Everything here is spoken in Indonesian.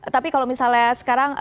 tapi kalau misalnya sekarang